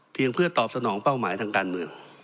เพื่อตอบสนองเป้าหมายทางการเมือง